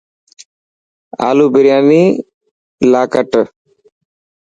آلو برياني لاءِ ڪٽ.